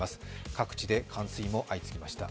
各地で冠水も相次ぎました。